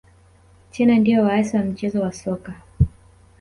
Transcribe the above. china ndio waasisi wa mchezo wa soka